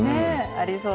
ありそう。